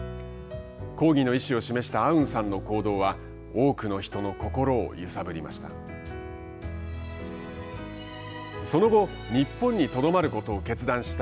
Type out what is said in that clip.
抗議の意志を示したアウンさんの行動は多くの人の心揺さぶりました。